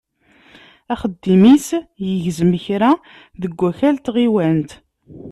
Axeddim-is yegzem kan deg wakal n tɣiwant.